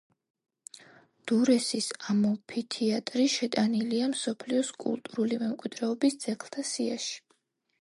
დურესის ამფითეატრი შეტანილია მსოფლიოს კულტურული მემკვიდრეობის ძეგლთა სიაში.